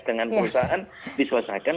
dengan perusahaan diselesaikan